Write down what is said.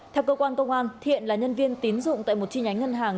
theo cơ quan công an thiện là nhân viên tín dụng tại một chi nhánh ngân hàng